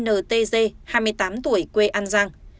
ntz hai mươi tám tuổi quê an giang